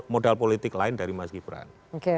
modal politik lain dari mas gibran